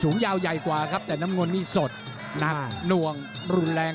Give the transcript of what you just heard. ยาวใหญ่กว่าครับแต่น้ำเงินนี่สดหนักหน่วงรุนแรง